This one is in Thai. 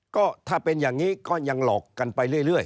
ก็ถ้าเป็นอย่างนี้ก็ยังหลอกกันไปเรื่อย